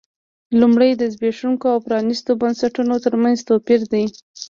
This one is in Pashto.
لومړی د زبېښونکو او پرانیستو بنسټونو ترمنځ توپیر دی.